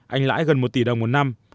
anh lãi gần một tỷ đồng một năm